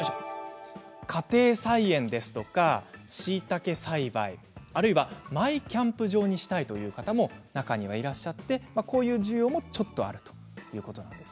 家庭菜園や、しいたけ栽培あるいはマイキャンプ場にしたいという方も中にはいらっしゃってこういう需要もちょっとあるということなんです。